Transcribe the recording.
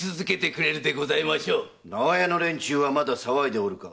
長屋の連中はまだ騒いでおるか？